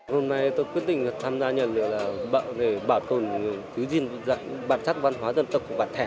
hôm nay tôi quyết định tham gia nhảy lửa để bảo tồn thứ gìn bản sắc văn hóa dân tộc pà thèn